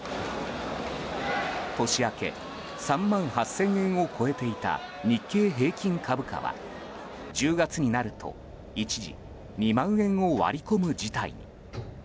年明け３万８０００円を超えていた日経平均株価は１０月になると一時、２万円を割り込む事態に。